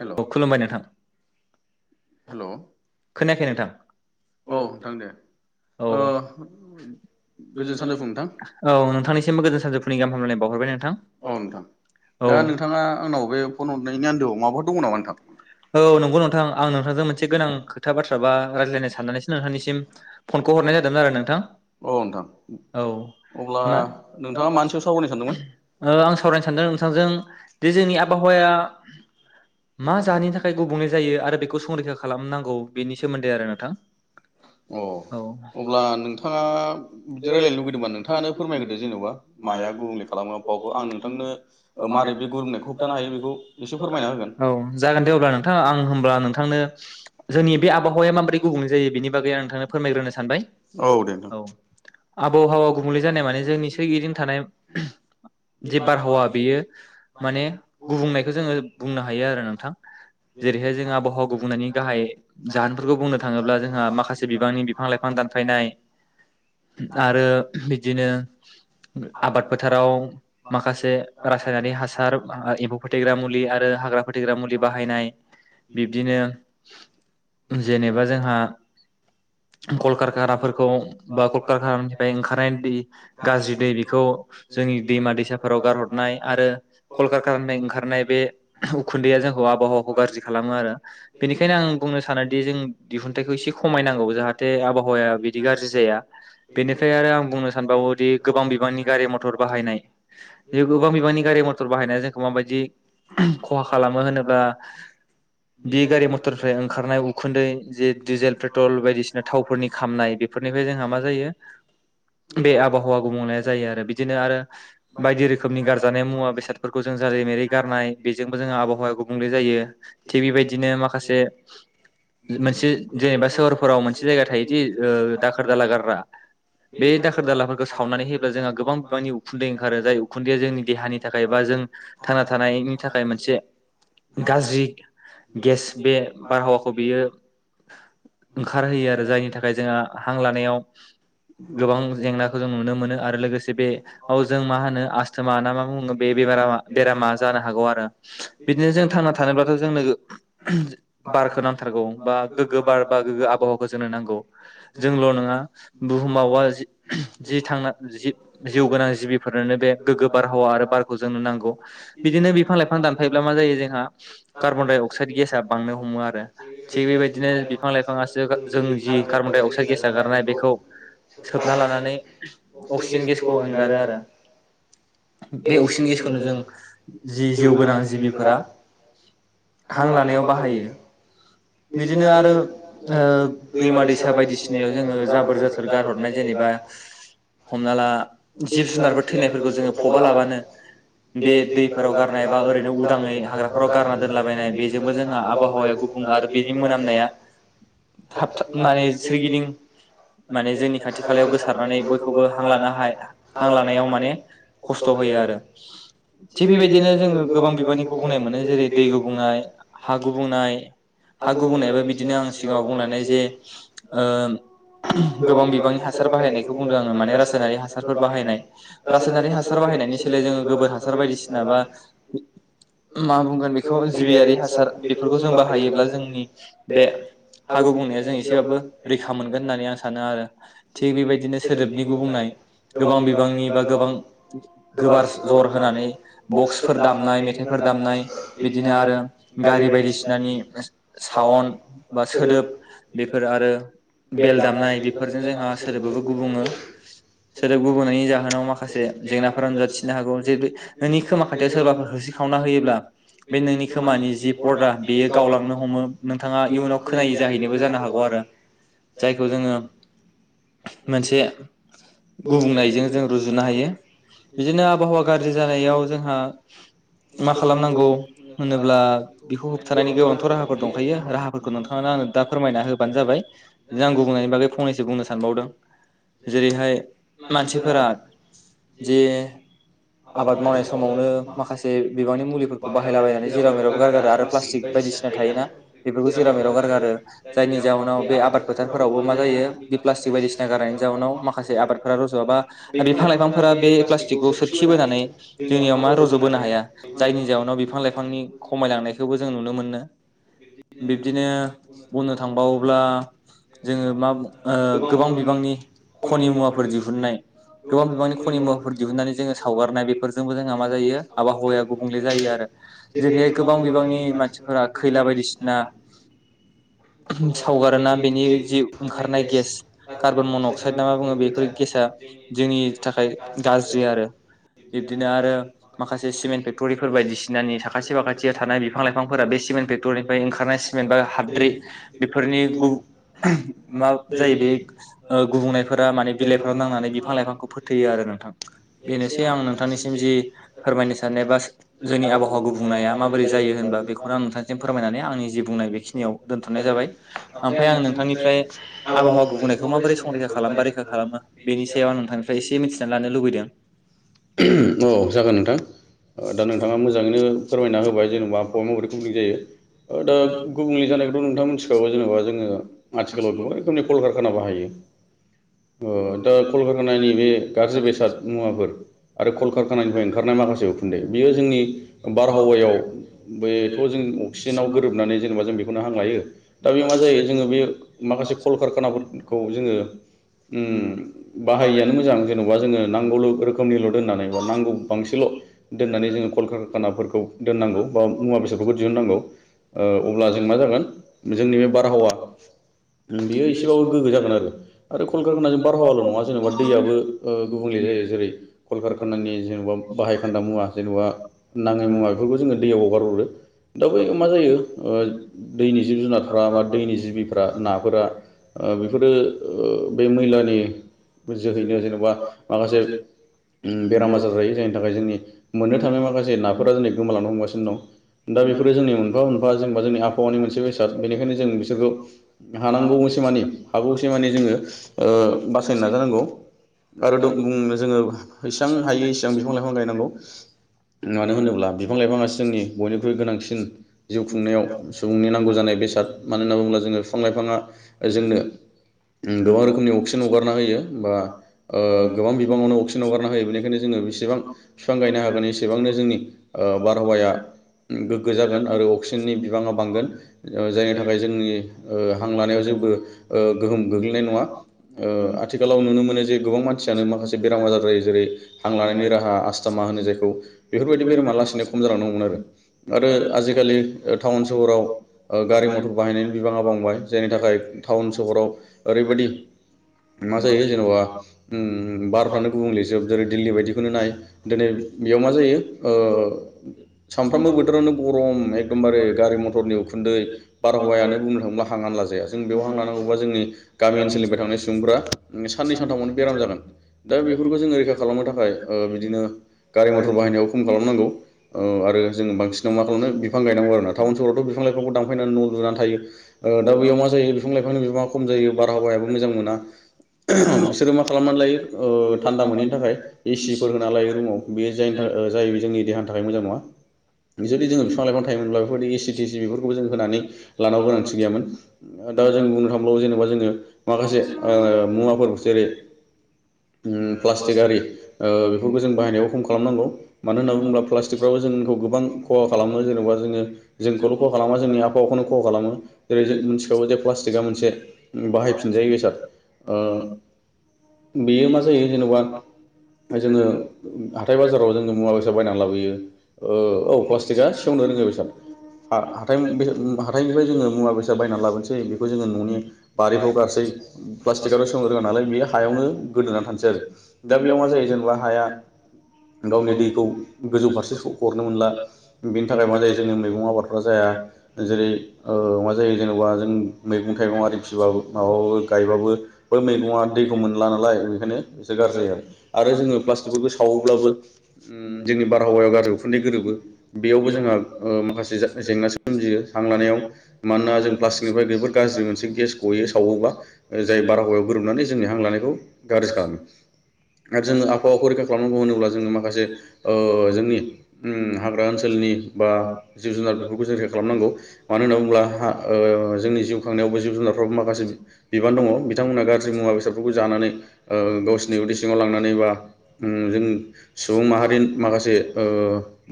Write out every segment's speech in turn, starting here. Hello औ खुलुमबाय नोंथां हेलौ खोनायाखै नोंथां औ नोंथां दे औ ओ गोजोन सान्दोफु नोंथां औ नोंथांनिसिमबो गोजोन सानजौफुनि गाहाम हामलायनाय बावहरबाय नोंथां औ नोंथां औ दा नोंथाङा आंनाव बे फन हरनायनि आन्दोआव माबाफोर दङ नामा नोंथां औ नंगौ नोंथां आं नोंथांजों मोनसे गोनां खोथा बाथ्रा बा रायज्लायनो साननानैसो नोंथांनिसिम फनखौ हरनाय जादों आरो नोंथां औ नोंथां औ अब्ला नोंथाङा मानि सायाव सावरायनो सानदोंमोन आं सावरायनो सानदों नोंथांजों बे जोंनि आबहावाया मा अ जाहोननि थाखाय गुबुंले जायो आरो बेखौ संरैखा खालामनांगौ बेनि सोमोन्दै आरो नोंथां औ अब्ला नोंथाङा बिदि रायलायनो लुुबैदोंबा नोंथाङानो फोरमायग्रोदो जेनेबा माया गुबुंले खालामा आफावाखौ आं नोंथांनो ओ मारै बे गुबुंनायखौ होबथानो हायो बेखौ इसे [unintelligible] जागोन दे अब्ला नोंथाङा आं होमब्ला नोंथांनो जोंनि बे आबहावाया माबोरै गुबुंले जायो बेनि बागै आं नोंथांनो फोरमायग्रोनो सानबाय औ दे औ-औ नोंथां आबहावा गुबुंले जानाय माने जोंनि सोरगिदिं थानाय जे बारहावा बेयो माने गुबुंनायखौ जोङो बुंनो हायो आरो जेरैहाय जोंहा आबहावा गुबुंनायनि गाहाय जाहोनफोरखौ बुंनो थाङोब्ला जोंहा माखासे बिबांनि बिफां लाइफां दानफायनाय आरो बिदिनो आबाद फोथाराव माखासे रासायनारि हासार बा एबौ फोथैग्रा मुलि आ थैग्रा मुलि बाहायनाय बिब्दिनो जेनेबा जोंहा कलकारखानाफोरखौ बा कलकारखानानिफ्राय ओंखारनाय दै गाज्रि दै बेखौ जोंनि दैमा दैसाफोराव गारहरनाय आरो कलकारखानानिफ्राय ओंखारनाय बे धु उखुन्दैया जोंखौ आबहावाखौ गाज्रि खालामो आरो बेनिखायनो आं बुंनो सानोदि जों दिहुनथाइखौ एसे खमायनांगौ जाहाथे आबहावाया बिदि गाज्रि जाया बेनिफ्राय आरो आं बुंनो सानबावोदि गोबां बिबांनि गारि मटर बाहायनाय बे गोबां बिबांनि गारि मथर बाहायनाया जोंखौ माबायदि खहा खालामो होनोब्ला बे गारि मथरनिफ्राय ओंखारनाय उखुन्दै जे डिजेल पेट्रल बायदिसिना थावफोरनि खामनाय बेफोरनिफ्राय जोंहा मा जायो बे आबहावा गुबुंलेया जायो आरो बिदिनो आरो बायदि रोखोमनि गारजानाय मुवा बेसादफोरखौ जों जेरै मेरै गारनाय बेजोंबो जोंहा आबहावाया गुबुंले जायो। थिग बेबायदिनो माखासे मोनसे जेनेबा सोहोरफोराव मोनसे जायगा थायोदि ओ दाखोर दाला गारग्रा बे दाखोर दालाफोरखौ सावनानै होयोब्ला जोंहा गोबां बिबांनि उखुन्दै ओंखारो जाय उखुन्दैया जोंनि देहानि थाखाय बा जों थांना थानायनि थाखाय मोनसे गाज्रि गेस बे बारहावाखौ बियो ओंखारहोयो आरो जायनि थाखाय जोंहा हां लानायाव गोबां जेंनाखौ जों नुनो मोनो आरो लोगोसे बेयाव जों मा होनो आस्थमा ना मा बुङो बे बेमारा बेरामा जानो हागौ आ ओ बिदिनो जों थांना थानोबाथ' जोंनो बारखो नांथारगौ बा गोग्गो बार गोग्गो आबहावखौ जोंनो नांगौ जोंल' नङा बुहुमावा जि जि थांना जि-जिउ गोनां जिबिफोरनोनो बे गोग्गो बारहावा आरो बारखौ जोंनो नांगौ बिदिनो बिफां लाइफां फां दानफायब्ला मा जायो जोंहा कार्बन-डाय-अक्साइद गेसा बांनो हमो आरो थिग बेबायदिनो बिफां-लाइफा [unintelligible] जों जि कार्बनडाइ अक्साइड गारनाय बेखौ सोबना लानानै अक्सिजेन गेसखौ एंगारो आरो बे अक्सिजेन गेसखौनो जों जि जिउ गोनां जिबिफोरा हां लानायाव बाहायो। बिदिनो आरो ओ दैमा-दैसा बायदिसिनायाव जोङो जाबोर जोथोर गारहरनाय जेनेबा हमना ला जिब जुनारफोर थैनायफोरखौ जोङो फबा लाबानो बे दैफोराव गार नाय बा ओरैनो उदाङै हाग्राफोराव गारना दोनलाबायनाय बेजोंबो जोंहा आबावाया गुबुं आरो बेनि मोनामनाया थाब माने सोरगिदिं माने जोंनि खाथि खालायाव गोसारनानै बयखौबो हां लानो हां लानायाव माने खस्थ' होयो आरो थिग बेबायदिनो गोबां बिबारनि गुबुंनाय मोनो जेरै दै गुबुंनाय हा गुबुंनाय हा गुबुंनायाबा बिदिनो आं सिगाङाव बुंलानाय जे ओ गोबां बिबांनि हासार बाहायनायखौ बुंदों आङो माने रासायनारि हासारफोर बाहायनाय रासायनारि हासार बाहायनायनि सोलाय जोङो गोबोर हासार बायदिसिना बा मा बुंगोन बेखौ जिबियारि हासार बेफोरखौ जों बाहायोब्ला जोंनि बे हा गुबुंनाया जों एसेबाबो रैखा मोनगोन होननानै आं सानो आरो थिग बेबायदिनो सोदोबनि गुबुंनाय गोबां बिबांनि बा गोबां गोबार जर होनानै बक्स फोर दामनाय मेथाइफोर दामनाय बिदिनो आरो गारि बायदिसिनानि सावन बा सोदोब बेफोर आरो बेल दामनाय बेफोरजों जोंहा सोदोबाबो गुबुङो सोदोब गुबुंनायनि जाहोनाव माखासे जेंनाफोरा नुजाथिनो हागौ जे नोंनि खोमा खाथि जाहाथे सोरबाफोर होसिख्रावनाय होयोब्ला बे नोंनि खोमानि जि परदा बेयो गावलांनो हम नोंथाङा इयुनाव खोनायै जाहैनोबो जानो हागौ आरो जायखौ जोङो मोनसे गुबुंनायजों जों रुजुनो हायो बिदिनो आबहावा गाज्रि जानायाव जोंहा मा खालामनांगौ होनोब्ला बेखौ होबथानायनि गोबांथ राहा फोर दंखायो राहाफोरखौ नोंथाङानो आंनो दा फोरमायना होबानो जाबाय आं गुबुंनायनि बागै फंनैसो बुंनो सानबावदों जेरैहाय मानसिफोरा जे आबाद मावनाय समावनो माखासे बिबांनि मुलिफोरखौ बाहायलाबायनानै जेराव मेरावबो गारगारो आरो प्लास्टिक बायदिसिना थायोना‌ बेफोरखौ जेराव मेराव गारगारो जायनि जाउनाव बे आबाद फोथारफोरावबो मा जायो बे प्लासटिक बायदिसिना गारनायनि जाउनाव माखासे आबादफोरा रजआ बा बिफां लाइफांफोरा बे प्लासटिकखौ सोरखिबोनानै जोंनियाव मा रज जायनि जाउनाव बिफां लाइफांनि खमायलांनायखौ बो जों नुनो मोनो। बिब्दिनो बुंनो थांबावोब्ला जोङो मा ओ गोबां बिबांनि खनि मुवाफोर दिहुननाय गोबां बिबांनि खनि मुवाफोर दिहुननानै जोङो सावगारनाय बेफोरजोंबो जोंहा मा जायो आबहावाया गुबुंले जायो आरो जेरैहाय गोबां बिबांनि मानसिफोरा खैला बायदि ना सावगारोना बेनि जि ओंखारनाय गेस कार्बन मन' अक्साइद ना मा बुङो बेफोर गेसा जोंनि थाखाय गाज्रि आरो बिब्दिनो आरो माखासे सिमेन्ट फेक्टरिफोर बायदिसिनानि साखासे फाखाथियाव थानाय बिफां लाइफांफोरा बे सिमेन्ट फेक फेक्टरीफोरनिफ्राय ओंखारनाय सिमेन्ट बा हाद्रि बेफोरनि गु मा जायो बे ओ गुबुंनायफोरा माने बिलाइफोराव नांनानै बिफां लाइफांखौ फोथैयो आरो नोंथां बेनोसै आं नोंथांनिसिम जि फोरमायनो साननाय बा जोंनि आबहावा गुबुंनाया माबोरै जायो होनबा बेखौनो आं नोंथांसिम फोरमायनानै आंनि जि बुंनाय बेखिनियाव दोनथ'नाय जाबाय ओमफ्राय आं नोंथांनिफ्राय आबहावा गुबुंनायखौ माबोरै संरैखा खालाम बा रैखा खालामो बेनि सायाव आं नोंथांनिफ्राय एसे मिथिनानै लानो लुबैदों। आ दा नोंथाङा मोजाङैनो फोरमायना होबाय जेनेबा ओ दा गुबुंले जानायखौथ' नोंथाङा मिथिखागौ जेनेबा जोङो आथिखालाव गोबां रोखोमनि कलकारखाना बाहायो ओ दा कलकारखानानि बे गाज्रि बेसाद मुवाफोर आरो कलकारखानानिफ्रायनो ओंखारनाय माखासे उखुन्दै बियो जोंनि बारहावायाव बेथ' जों गोरोबनानै जेनेबा जों बेखौनो‌ हां लायो दा मा बे जायो जोङो बे माखासे कलकारखानाफोरखौ जोङो ओम बाहायैआनो मोजां जेनबा जोङो नांगौल रोखोमनि दोननानै नांगौ दोननानै जोङो कलकारखानाफोरखौ दोननांगौ बा मुवा बेसादफोरखौ दिहुननांगौ ओ अब्ला जों मा जागोन जोंनि बे बारहावा बेयो एसेबाबो गोग्गो जागोन आरो आरो कलकारखानाजों बारहावाल नङा जेनेबा दैयाबो गुबुंले जायो जेरै कलकारखानानि जेनेबा थान्दा मुवा जेनबा नाङै मुवा बेफोरखौ जोङो दैयाव हगारहरो दा बैयाव मा जायो ओ दैनि जिब जुनारफ्रा बा दैनि जिबिफ्रा नाफोरा ओ बेफोरो ओ बे मैलानि जोहैनो जेन'बा माखासे उम बेराम आजार जायो जायनि थाखाय जोंनि मोननो थाङै माखासे नाफोरा दिनै गोमालांनो हमगासिनो दं दा बे फोरो जोंनि मोनफा मोनफा जोंबा जोंनि आबहावानि मोनसे बेसाद बेनिखायनो जों बिसोरखौ हानांगौसिम मानि हागौसे मानि जोङो ओ बासायनो नाजानांगौ आरो दु बुंनो जोङो जिसां हायो इसेबां बिफां लाइ फां गायनांगौ मानो होनोब्ला बिफां लाइफांङासो जोंनि बयनिख्रुइ गोनांसिन जिउ खुंनायाव सुबुंनि नांगौ जानाय बेसाद मानो होनना बुङोब्ला जोङो फिफां लाइफाङा जोंनो उम गोबां रोखोमनि अक्सिजेन हगारना होयो बा ओ गोबां बिबाङावनो अक्सिजेन हगारना होयो बेनिखायनो जोङो बेसेबां फिफां गायनो हागोन एसेबांनो जोंनि ओ बारहावाया गो गोगो जागोन आरो अक्सिजेननि बिबांआ बांगोन ओ जायनि थाखाय जोंनि ओ हां लानायाव जेबो ओ गोहोम गोग्लैनाय नङा ओ आथिखालाव नुनो मोनोजे गोबां मानसियानो माखासे बेराम आजार जायो जेरै हां लानायनि राहा सा मा होनो जायखौ बेफोरबायदि बेरामा लासैनो खम जालांनो हमगोन आरो। आरो आजिखालि ओ टाउन सहराव ओ गारि मथर बाहायनायनि बिबाङा बांबाय जायनि थाखाय टाउन सहराव ओरैबायदि मा जायो जेन'बा उम बारफ्रानो गुबुंलेजोब जेरै दिल्ली बदिखौनो नाय दिनै बेयाव मा जायो ओ सामफ्रामबो बोथोरनो गरम एकदमबारे गारि मथरनि उखुन्दै बारहावायानो बुंनो थाङोब्ला हांआनो लाजाया जों बेयाव हां लानांगौबा जोंनि गामि ओनसोलनिफ्राय थांनाय सुबुंफोरा साननै सानथामावनो बेराम जागोन दा बेफोरखौ जोङो रैखा खालामनो थाखाय ओ बिदिनो गारि मथर बाहायनायाव खम खालामनांगौ ओ आरो जों बांसिन [unintelligible] बिफां गायनांगौ आरोना टाउन सहरावथ' बिफां लायफांखौ दानफायनानै न' लुनानै थायो ओ दा बैयावनो मा जायो बिफां लाइफांनि बिबांआ खम जायो बारहावायाबो मोजां मोनाबिसोरो मा खालामनानै लायो ओ थानदा मोनैनि थाखाय ए सिफोर होना लायो। बेयो जायनि थाखा ओ जाय जोंनि देहानि थाखाय मोजां नङा। जुदि जोङो बिफां लाइफां थायामोनब्ला बेफोरबायदि एसि टिसि बेफोरखौबो जों होनानै लानांगौ गोनांथि गैयामोन ओ दा जों बुंनो थांबोला जेनेबा जोङो माखासे ओ मुवाफोर जेरै उम प्लास्टिक आरि ओ बेफोरखौ बाहायनायाव खम खालामनांगौ मानो होनना बुङोब्ला प्लास्टिकफ्राबो जोंखौ गोबां खहा खालामो जेनेबा जोङो जोंखौल' खहा खालामा जोंनि आबहावाखौनो खहा खालामो जेरै जो मिनथिखागौ जे प्लास्टिकआ मोनसे बाहायफिनजायि बेसाद ओ बेयो मा जायो जेनेबा जोङो हाथाय बाजाराव जोङो मुवा बेसाद बायनानै लाबोयो ओ प्लास्टिकआ सेवनो रोङै बेसाद [unintelligible] बेसाद हाथाइनिफ्राय जोङो मुवा बेसाद बायनानै लाबोनोसै बेखौ जोङो न'नि बारिफ्राव गारसै प्लास्टिकआ सेवनो रोङा नालाय बे हायावनो गोदोनानै थानोसै आरो दा बेयाव मा जायो जेनेबा हाया गावनि दैखौ गोजौ फारसे सौख' हरनो मोनला। बेनि थाखाय मा जायो जोंनि मैगं आबादफ्रा जाया जेरै ओ मा जायो जेनेबा जों मैगं थाइगं आरि फिबाबो माबाबाबो गायबाबो बै मैगंङा दैखौ मोनला नालाय बेखायनो एसे गाज्रि जायो आरो जोङो प्लाटिक सावोब्लाबो उम जोंनि बारहावायाव गारजि उखुन्दै गोरोबो। बेयावबो जोंहा ओ माखासे जे-जेंना सोमजियो हां लानायाव मानोना जों प्लास्टिकनिफ्राय जोबोर गाज्रि मोनसे गेस गयो सावोबा ओ जाय बारहावायाव गोरोबनानै जोंनि हां लानायखौ गाज्रि खालामो आरो जोङो आबहावाखौ खालामनांगौ होनोब्ला जोङो माखासे ओ जोंनि उम हाग्रा ओनसोलनि बा जिब जुनार बेफोरखौ जों रैखा खालामनांगौ मानो होनना बुंब्ला हा ओ जोंनि जिउ खांनायावबो जिब जुनारफ्रावबो माखासे बिबान दङ बिथांमोनहा गाज्रि मुवा बेसादफोरखौ जानानै ओ गावसिरनि उदै सिङाव लांनानै बा जों सुबुं माहारि माखासे ओ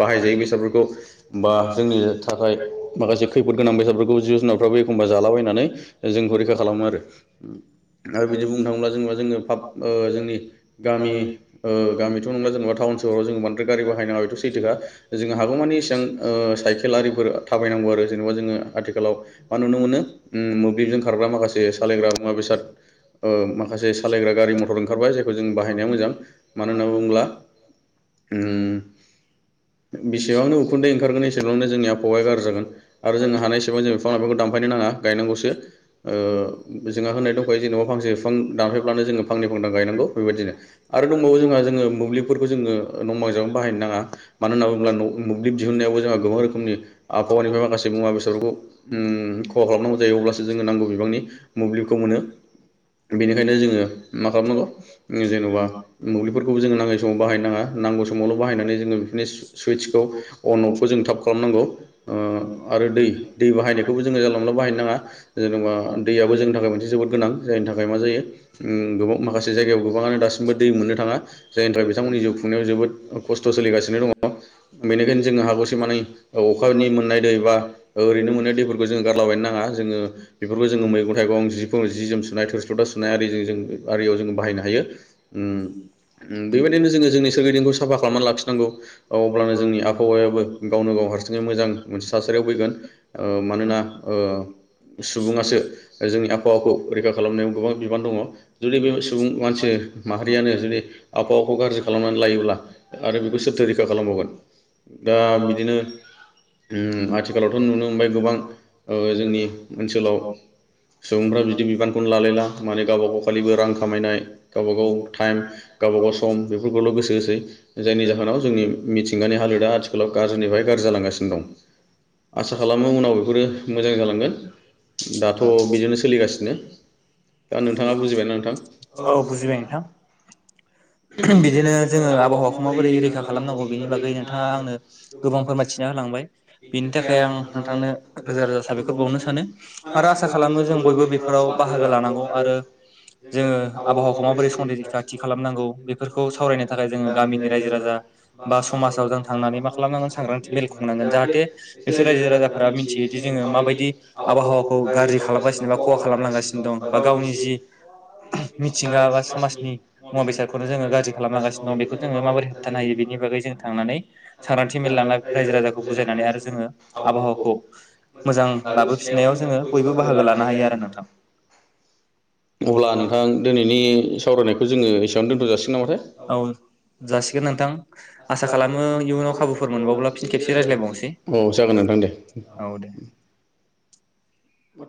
बाहायजायै बेसादफोरखौ बा जोंनि थाखाय माखासे खैफोद गोनां बेसादफोरखौ जिब जुनारफ्राबो एखमबा जालाबायनानै जोंखौ रैखा खालामो आरो आरो बिदि बुंनो थाङोब्ला जेनबा जोङो फाब जोंनि गामि ओ गामि' नंला जेनावबा टाउन सहराव जों बांद्राय गारि बाहाय नांना बेथ' सैथोखा जोङो हागौमानि इसेबां ओ साइकेल आरिफोर थाबायनांगौ आरो जेनेबा जोङो आथिखालाव मा नुनो मोनो मोब्लिबजों ओं माखासे सालायग्रा मुवा बेसाद माखासे सालायग्रा गारि मथर ओंखारबाय जायखौ जों बाहायनाया मोजां होनना बुङोब्ला ओम बेसेबांनो उखुन्दै ओंखारगोन एसेबांनो जोंनि आबावाया गाज्रि जागोन आरो जों हानाय एसेबां जों बिफां लाइफांखौ दानफायनो नाङा गायनांगौसो ओ जोंहा होननाय दंखायो जेनेबा फांसे बिफां दानफायब्लानो जोङो फांनै फांथाम गायनांगौ बेबायदिनो आरो दंबावो ओ मोब्लिबफोरखौ जोङो नंबां जाबां बाहायनो नाङा मानो होनना बुङोब्ला मोब्लिब दिहुनन्नायावबो जोंहा गोबां रोखोमनि आबहावानिफ्राय माखासे मुवा बेसादफोरखौ ओम खहा खालामनांगौ जायो अब्लासो जोङो नांगौ बिबांनि मोब्लिबखौ मोनो बेनिखायनो जोङो मा खालामनांगौ जेनबा बेफोरखौबो जोङो नाङै समाव बाहाय नाङा नांगौ समावल' बाहायनानै जोङो स्विट्सखौ अन अफखौ जों थाब खालामनांगौ ओ आरो दै दै बाहाय नायखौबो जों जानला मेनला बाहाय नांआ। जेनबा दैया बो जोंनि थाखाय मोनसे जोबोर गोनां जायनि थाखाय मा जायो ओम गोबां माखासे जायगायाव गोबांआनो दासिमबो दै जायनि थाखाय बिथांमोननि जिउ खुंनायाव जोबोद खस्थ' सोलिगासिनो । [unintelligible] बेनिखायनो जोङो हागौसे मानि अखानि मोननाय दै बा ओरैनो मोननाय दैफोरखौ जोङो गारलाबायनो नाङा जोङो बेफोरखौ जोङो मैगं थाइगं जिफोर जि-जोम सुनाय थोरसि ल'था सुनाय आरि जों आरियाव जों बाहायनो हायो। ओम ओम बेबायदिनो जोङो जोंनि सोरगिदिंखौ साफा खालामनानै लाखिनांगौ अब्लानो जोंनि आबहावायाबो गावनो गाव हारसिङै मोजां मोनसे थासारियाव फैगोन ओ मानोना ओ सुबुंआसो जोंनि आबहावाखौ रैखा खालामनायाव गोबां बिबान दङ जुदि बे सुबुं मानसि माहा [unintelligible] आबहावाखौ गाज्रि खालामनानै लायोब्ला आरो बेखौ सोरथो [unintelligible] खा खालामबावगोन। दा बिदिनो ओम आथिखालावथ' नुनो मोनबाय गोबां जोंनि ओनसोलाव सुबुंफ्रा बिदि बिबानखौनो लालायला माने गावबा गाव खालिबो रां खामायनाय गावब गाव थाइम गावबागाव सम बेफोरखौल' गोसो होसै जायनि जाहोनाव जोंनि मिथिंगानि हालोदा आथिखालाव गाज्रिनिफ्राय गाज्रि जालांगासिनो दं। आसा खालामो उनाव बेफोरो मोजां जालांगोन दाथ' बिदिनो सोलिगासिनो दा नोंथाङा बुजिबायना नोंथां? औ बुजिबाय नोंथां [unintelligible] बिदिनो जोङो आबहावाखौ माबोरै रैखा खालामनांगौ बेनि बागै नोंथाङा आंनो गोबां फोरमायथिना होलांबाय बिनि थाखाय आं नोंथांनो रोजा रोजा साबायखर बावनो सानो आरो आसा खालामो जों बयबो बेफोराव बाहागो लानांगौ आरो जोङो आबहावाखौ माबोरै [unintelligible] [unintelligible] थि खालामनांगौ बेफोरखौ सावरायनो थाखाय जोङो गामिनि रायजो राजा बा समाजाव जों थांनानै मा खालामनांगोन सांग्रांथि मेल खुंनांगोन जाहाथे बिसोर रायजो राजाफोरा मिथियोदि जोङो माबायदि आबहावाखौ गाज्रि खालामगासिनो बा खहा खालामलांगासिनो दं बा गावनि जि मिथिंगा बा [unintelligible] समाजनि मुवा बेादखौनो जोङो गाज्रि खालामनांगासि दं बेखौ जोङो माबोरै होबथानो हायो [unintelligible] [unintelligible] बागै जों थांनानै सांग्रांथि मेल रायजो राजाखौ बुजायनानै आरो जोङो आबहावाखौ मोजां लाबोफिननायाव जोङो बयबो बाहागो लानो हायो आरो नोंथां अब्ला नोंथां दिनैनि सावरायनायखौ जोङो एसेयावनो दोनथ' जासिगोन नामाथाय [unintelligible] नोंथां आसा खालामो इयुनाव खाबुफोर मोनबावब्ला फिन खेबसे रायज्लायबावनोसै औ जागोन नोंथां दे औ दे